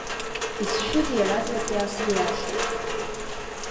Исшәыз иаразнак иаасыриашеит.